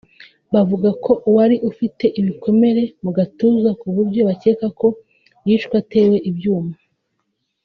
bavuga ko wari ufite ibikomere mu gatuza ku buryo bakeka ko yishwe atewe ibyuma